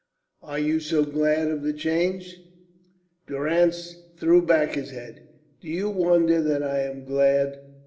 "Are you so glad of the change?" Durrance threw back his head. "Do you wonder that I am glad?